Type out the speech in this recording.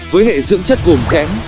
với hệ dưỡng chất gồm kém